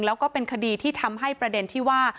แล้วก็เป็นคดีที่ทำให้ประเด็นที่ว่า